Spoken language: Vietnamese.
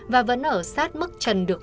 và vẫn ở sát mức trần được